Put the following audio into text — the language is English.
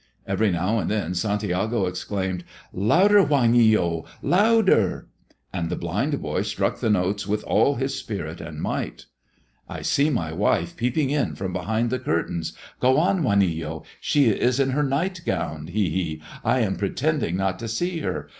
Every now and then Santiago exclaimed, "Louder, Juanillo! Louder!" And the blind boy struck the notes with all his spirit and might. "I see my wife peeping in from behind the curtains. Go on, Juanillo. She is in her night gown, he, he! I am pretending not to see her.